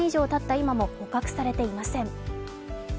今も捕獲されていません。